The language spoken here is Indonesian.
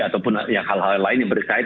ataupun hal hal lain yang berkait